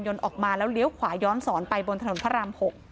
ออกมาแล้วเลี้ยวขวาย้อนสอนไปบนถนนพระราม๖